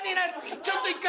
ちょっと１回。